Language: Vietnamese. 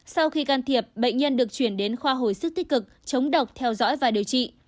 sau khi can thiệp bệnh nhân được chuyển đến khoa hồi sức tích cực chống độc theo dõi và điều trị